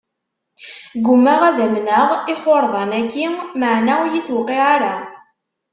Gummaɣ ad amneɣ ixurḍan-aki, maɛna ur iyi-tuqiɛ ara.